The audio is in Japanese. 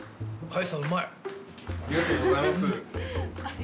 ありがとうございます。